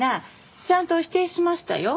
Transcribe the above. ちゃんと否定しましたよ。